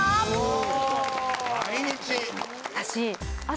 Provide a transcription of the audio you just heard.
私。